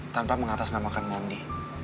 tanpa mengatasnamakan mondi